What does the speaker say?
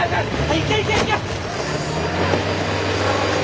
行け行け行け！